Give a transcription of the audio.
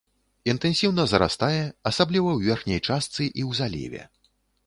Інтэнсіўна зарастае, асабліва ў верхняй частцы і ў заліве.